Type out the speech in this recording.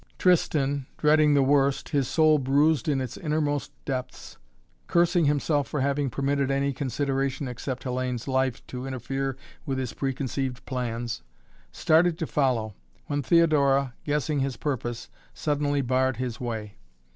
Tristan, dreading the worst, his soul bruised in its innermost depths, cursing himself for having permitted any consideration except Hellayne's life to interfere with his preconceived plans, started to follow, when Theodora, guessing his purpose, suddenly barred his way.